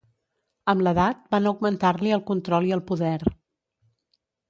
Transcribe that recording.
Amb l'edat van augmentar-li el control i el poder.